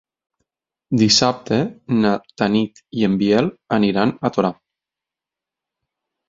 Dissabte na Tanit i en Biel aniran a Torà.